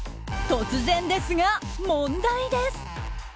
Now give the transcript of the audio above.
突然ですが問題です。